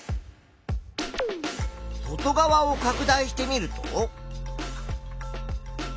外側をかく大してみると。